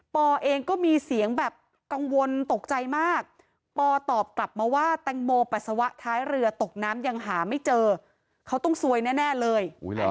อเองก็มีเสียงแบบกังวลตกใจมากปอตอบกลับมาว่าแตงโมปัสสาวะท้ายเรือตกน้ำยังหาไม่เจอเขาต้องซวยแน่เลย